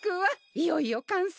いよいよ完成。